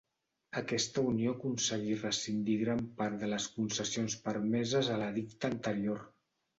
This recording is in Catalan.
Aquesta unió aconseguí rescindir gran part de les concessions permeses a l'edicte anterior.